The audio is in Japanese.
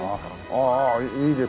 ああいいね。